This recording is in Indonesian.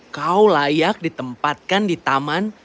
kau layak ditempatkan di taman